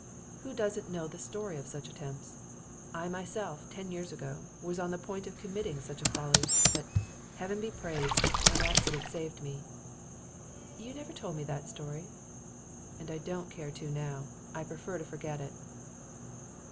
Who doesn't know the story of such attempts? I myself ten years ago, was on the point of committing such a folly, but, Heaven be praised! an accident saved me.' 'You never told me that story.' 'And don't care to now. I prefer to forget it.